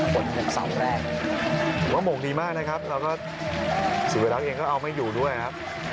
ผลจากเสาแรกผมว่าโมงดีมากนะครับแล้วก็ศิริรักษ์เองก็เอาไม่อยู่ด้วยครับ